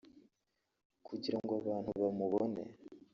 kugirango abantu bamubone